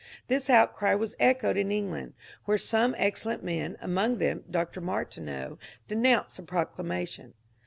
This outcry was echoed in England, where some excellent men, among them Dr. Mar tineau, denounced the proclamation.